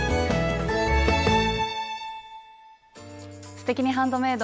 「すてきにハンドメイド」